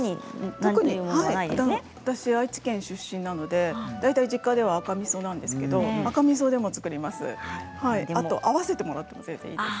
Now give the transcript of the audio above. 私は愛知県出身なので大体、実家では赤みそなんですけど、赤みそでも作ります。